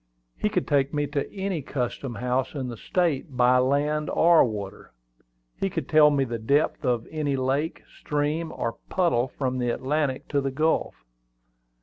He could take me to any custom house in the State by land or water. He could tell me the depth of any lake, stream, or puddle from the Atlantic to the Gulf.